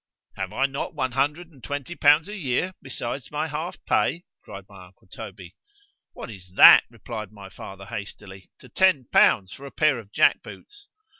——Have I not one hundred and twenty pounds a year, besides my half pay? cried my uncle Toby.—What is that—replied my father hastily—to ten pounds for a pair of jack boots?